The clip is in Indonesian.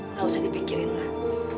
nggak usah dipikirin lah